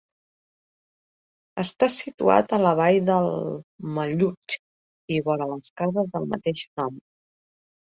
Està situat a la vall d'Almallutx i vora les cases del mateix nom.